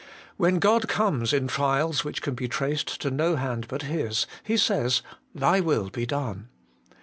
When God comes in trials which can be traced to no hand but His, he says, ' Thy will be done.'